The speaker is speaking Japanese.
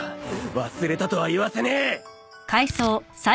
忘れたとは言わせねえ！